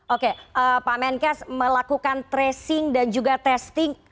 oke pak menkes melakukan tracing dan juga testing